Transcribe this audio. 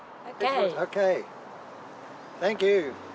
サンキュー。